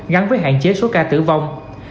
gắn với hạn chế số ca tử vong